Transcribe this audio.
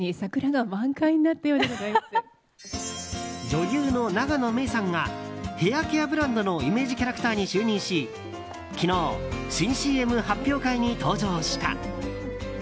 女優の永野芽郁さんがヘアケアブランドのイメージキャラクターに就任し昨日、新ＣＭ発表会に登場した。